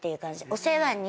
お世話に。